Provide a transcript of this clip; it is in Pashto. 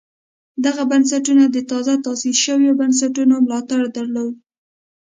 دغه بنسټونه د تازه تاسیس شویو بنسټونو ملاتړ درلود